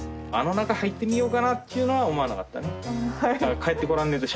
あの中入ってみようかなっていうのは思わなかったね。